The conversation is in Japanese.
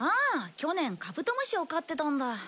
去年カブトムシを飼ってたんだ。